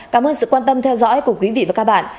cảm ơn sự quan tâm theo dõi của quý vị và các bạn